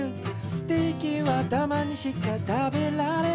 「ステーキはたまにしか食べられない」